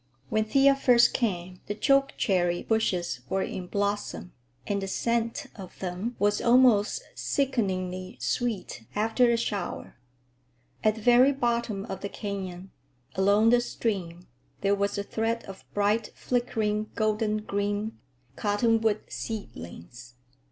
When Thea first came, the chokecherry bushes were in blossom, and the scent of them was almost sickeningly sweet after a shower. At the very bottom of the canyon, along the stream, there was a thread of bright, flickering, golden green,—cottonwood seedlings.